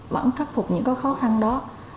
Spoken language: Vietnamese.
vẫn khắc phục những khó khăn đó